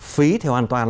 phí thì hoàn toàn